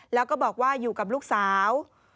แล้วก็บอกว่าอยู่กับลูกสาว